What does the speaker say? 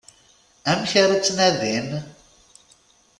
Amek ara tt-nadin?